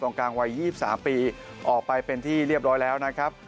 ตรงกลางวัยยี่สิบสามปีออกไปเป็นที่เรียบร้อยแล้วนะครับ